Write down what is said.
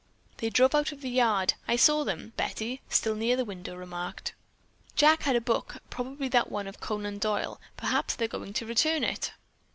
"They drove out of the yard; I saw them," Betty, still near the window, remarked. "Jack had a book. Probably that one of Conan Doyle. Perhaps they're going to return it."